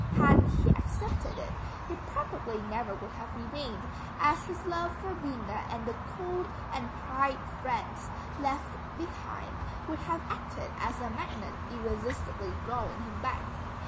Had he accepted it, he probably never would have remained, as his love for Vienna and the old and tried friends left behind would have acted as a magnet irresistibly drawing him back.